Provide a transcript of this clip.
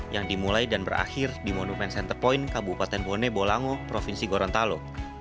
yang dimulai dan berakhir di monumen center point kabupaten bone bolango provinsi gorontalo